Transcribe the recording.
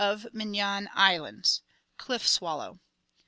of Mingan Islands. Cliff swallow.